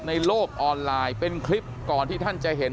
ในโลกออนไลน์เป็นคลิปก่อนที่ท่านจะเห็น